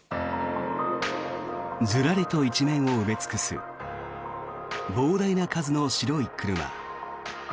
ずらりと一面を埋め尽くす膨大な数の白い車。